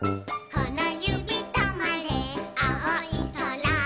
「このゆびとまれあおいそら」